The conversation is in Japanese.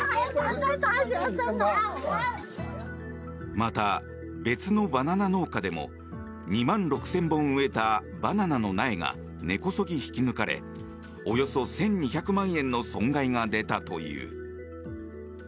また、別のバナナ農家でも２万６０００本植えたバナナの苗が根こそぎ引き抜かれおよそ１２００万円の損害が出たという。